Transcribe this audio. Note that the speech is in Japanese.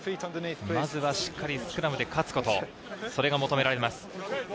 まずはしっかりスクラムで勝つこと、それが求められます。